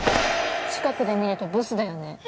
近くで見るとブスだよね。